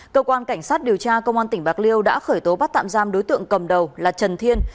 cơ quan cảnh sát điều tra công an tỉnh bạc liêu đã khởi tố bắt tạm giam đối tượng cầm đầu là trần thiên